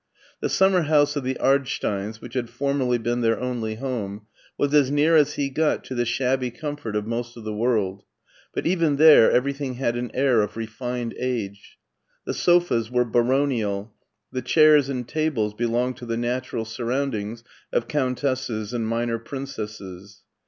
The simimer house of the Ardsteins, which had formerly been their only home, was as near as he got to the shabby com fort of most of the world, but even there everything had an air of refined age. The sofas were baronial, the chairs and tables belonged to the natural surround ings of countesses and minor princesses.